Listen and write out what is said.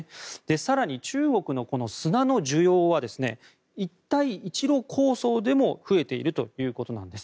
更に中国の砂の需要は一帯一路構想でも増えているということなんです。